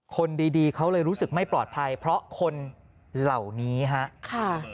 คนดีเขาเลยรู้สึกไม่ปลอดภัยเพราะคนเหล่านี้ฮะค่ะ